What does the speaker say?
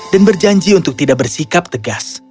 dan berjanji untuk tidak bersikap tegas